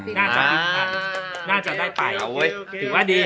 น่าจะได้ไป